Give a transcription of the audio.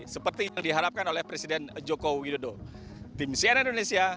seperti yang diharapkan oleh presiden joko widodo